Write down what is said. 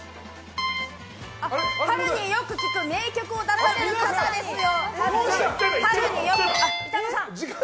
春によく聴く名曲を出されている方ですよ。